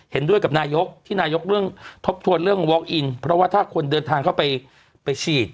เห็นด้วยกับนายกที่นายกเรื่องทบทวนเรื่องวอคอินเพราะว่าถ้าคนเดินทางเข้าไปไปฉีด